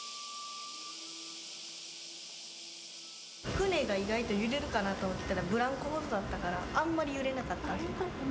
船が意外と揺れるかなと思ったら、ブランコほどだったから、あんまり揺れなかった。